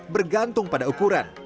bergantung pada ukuran